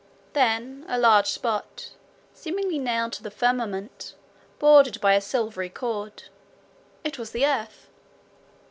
Then, a large spot seemingly nailed to the firmament, bordered by a silvery cord; it was the earth!